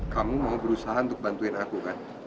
kamu mau berusaha untuk bantuin aku kan